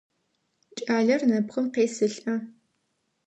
Кӏалэр нэпкъым къесылӏэ.